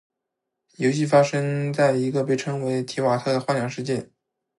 游戏发生在一个被称作「提瓦特」的幻想世界。